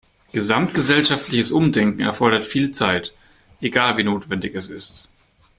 Gesamtgesellschaftliches Umdenken erfordert viel Zeit, egal wie notwendig es ist.